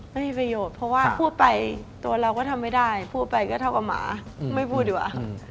ไม่มีประโยชน์เพราะว่าพูดไปตัวเราก็ทำไม่ได้พูดไปก็เท่ากับหมาไม่พูดดีกว่า